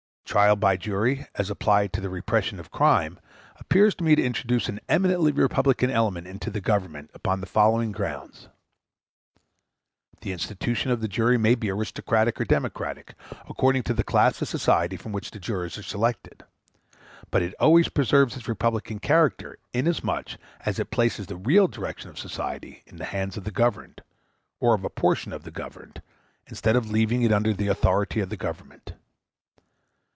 Trial by jury, as applied to the repression of crime, appears to me to introduce an eminently republican element into the government upon the following grounds:— The institution of the jury may be aristocratic or democratic, according to the class of society from which the jurors are selected; but it always preserves its republican character, inasmuch as it places the real direction of society in the hands of the governed, or of a portion of the governed, instead of leaving it under the authority of the Government.